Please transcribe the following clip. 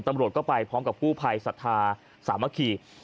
ตำรวจก็ไปพร้อมกับกู้ภัยศรัทธาสามัคคี